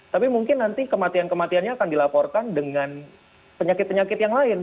tapi mungkin nanti kematian kematiannya akan dilaporkan dengan penyakit penyakit yang lain